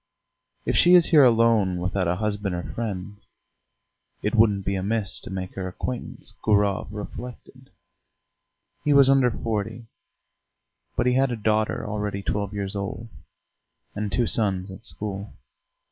"If she is here alone without a husband or friends, it wouldn't be amiss to make her acquaintance," Gurov reflected. He was under forty, but he had a daughter already twelve years old, and two sons at school.